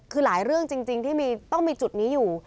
คือหลายเรื่องจริงที่ต้องมีจุดนี้อยู่